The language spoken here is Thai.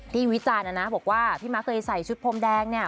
ที่วิจารณ์นะนะพี่ม้าเคยใส่ชุดพรมแดงเนี่ย